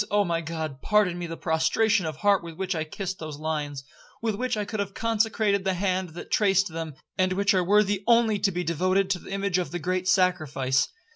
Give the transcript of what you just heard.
Oh my God, pardon me the prostration of heart with which I kissed those lines, with which I could have consecrated the hand that traced them, and which are worthy only to be devoted to the image of the great Sacrifice.